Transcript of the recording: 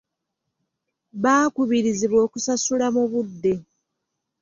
Baakubirizibwa okusasula mu budde.